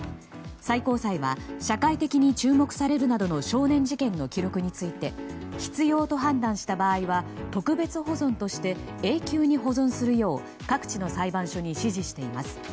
最高裁は社会的に注目されるなどの少年事件の記録について必要と判断した場合は特別保存として永久に保存するよう各地の裁判所に指示しています。